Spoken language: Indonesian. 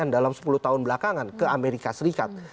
dalam sepuluh tahun belakangan ke amerika serikat